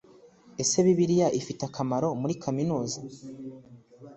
Ese Bibiliya ifite akamaro muri kaminuza